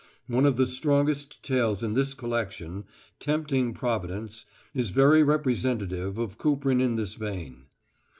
One of the strongest tales in this collection, "Tempting Providence," is very representative of Kuprin in this vein.